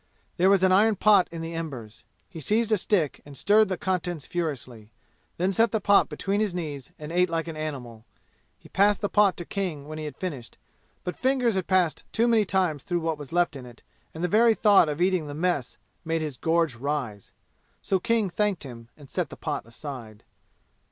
There was an iron pot in the embers. He seized a stick and stirred the contents furiously, then set the pot between his knees and ate like an animal. He passed the pot to King when he had finished, but fingers had passed too many times through what was left in it and the very thought of eating the mess made his gorge rise; so King thanked him and set the pot aside.